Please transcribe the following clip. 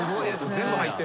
全部入ってる。